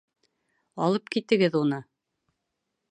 Алып китегеҙ уны.